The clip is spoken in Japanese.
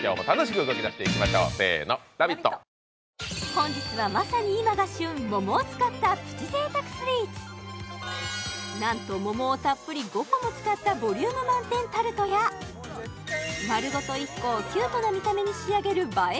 本日はまさに今が旬桃を使ったプチ贅沢スイーツなんと桃をたっぷり５個も使ったボリューム満点タルトや丸ごと１個をキュートな見た目に仕上げる映え